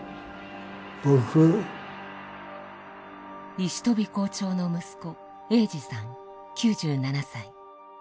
石飛校長の息子英二さん９７歳。